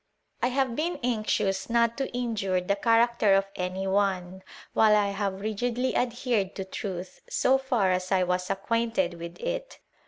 I have been anxious not to injure tl character of any one, while I have rigidly adhered truth, so far as I was acquainted with it.